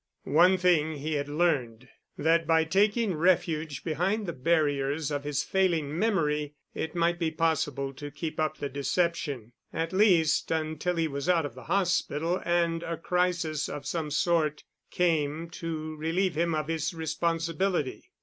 One thing he had learned—that by taking refuge behind the barriers of his failing memory, it might be possible to keep up the deception, at least until he was out of the hospital and a crisis of some sort came to relieve him of his responsibility.